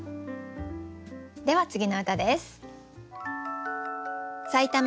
では次の歌です。